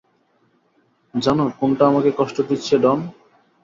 জানো কোনটা আমাকে কষ্ট দিচ্ছে, ডন?